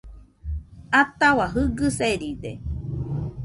Atahua Jɨgɨ seride